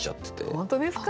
本当ですか？